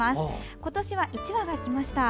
今年は１羽が来ました。